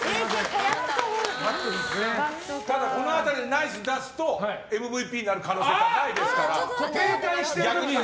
ただ、この辺りでナイスを出すとＭＶＰになる可能性高いですから。